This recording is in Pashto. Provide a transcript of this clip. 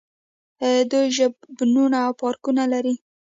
دوی ژوبڼونه او پارکونه لري.